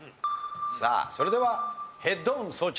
さあそれではヘッドホン装着。